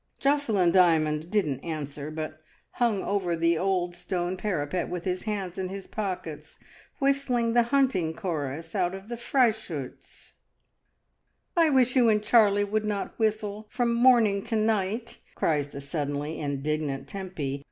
Josselin Dymond didn't answer, but hung over the old stone parapet with his hands in his pockets, whistling the hunting chorus out of the Freischillz, "I wish you and Charlie would not whistle from morning to night," cries the suddenly indignant Tempy.